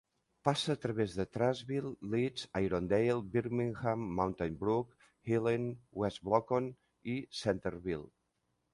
Passa a través de Trussville, Leeds, Irondale, Birmingham, Mountain Brook, Helena, West Blocton i Centreville.